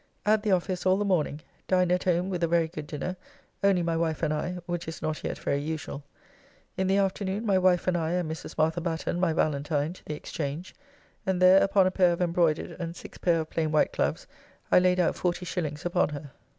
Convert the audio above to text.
At the office all the morning, dined at home with a very good dinner, only my wife and I, which is not yet very usual. In the afternoon my wife and I and Mrs. Martha Batten, my Valentine, to the Exchange, and there upon a payre of embroydered and six payre of plain white gloves I laid out 40s. upon her.